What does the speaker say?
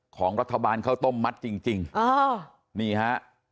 ของรัฐบาลข้าวต้มมัดจริงจริงอ๋อนี่ฮะ